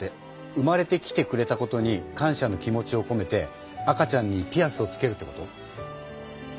生まれてきてくれたことに感謝の気持ちをこめて赤ちゃんにピアスをつけるってこと？